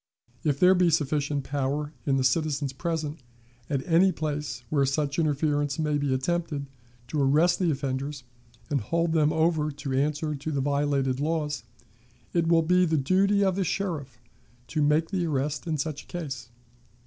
If there be sufficient power in the citizens present, at any place where such interference may be attempted, to arrest the offenders, and hold them over to answer to the violated laws, it will be the duty of the sheriff to make the arrest in such case.